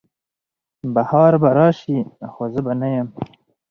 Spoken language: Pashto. بهار به راسي خو زه به نه یم